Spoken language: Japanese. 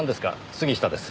杉下です。